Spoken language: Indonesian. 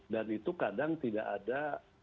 dan itu kadang tidak ada